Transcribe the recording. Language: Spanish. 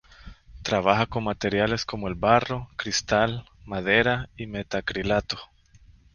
Trabaja con materiales como el barro, cristal, madera y metacrilato.